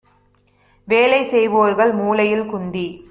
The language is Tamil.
வேலைசெய் வோர்கள் மூலையில் குந்தி